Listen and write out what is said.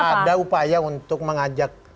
ada upaya untuk mengajak